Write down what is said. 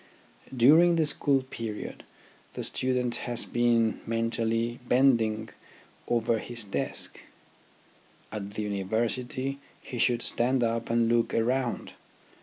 During the school period the student has been mentally bending over his desk ; at the University he should stand up and look around.